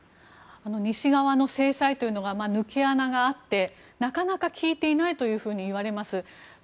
西側の制裁というのが抜け穴があってなかなか効いていないといわれます。